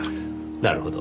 なるほど。